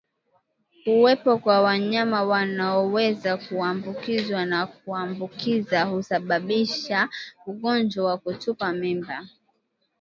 Kuwepo kwa wanyama wanaoweza kuambukizwa na kuambukiza husababisha ugonjwa wa kutupa mimba